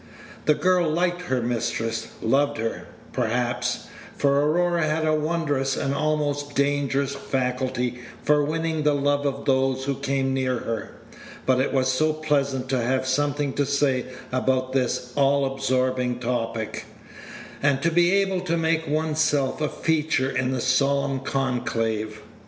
The girl liked her mistress, loved her, perhaps; for Aurora had a wondrous and almost dangerous faculty for winning the love of those who came near her; but it was so pleasant to have something to say about this all absorbing topic, and to be able to make one's self a feature in the solemn conclave.